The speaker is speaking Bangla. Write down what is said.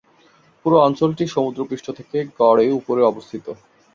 পুরো অঞ্চলটি সমুদ্রপৃষ্ঠ থেকে গড়ে উপরে অবস্থিত।